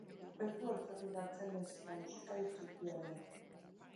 Ez baitu alferrik galtzen, nahiz eta musikari ttipia den.